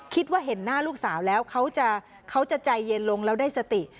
คิดว่าเห็นหน้าลูกสาวแล้วเขาจะใจเย็นลงแล้วได้สติ